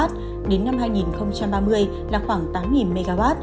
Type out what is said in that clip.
đến năm hai nghìn ba mươi là khoảng tám mw